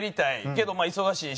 けどまあ忙しいし。